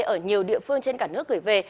ở nhiều địa phương trên cả nước gửi về